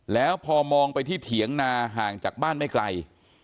แล้วพอมองไปที่เถียงนาห่างจากบ้านไม่ไกล